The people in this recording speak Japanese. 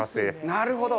なるほど。